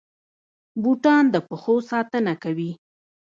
بوټان د پښو ساتنه کوي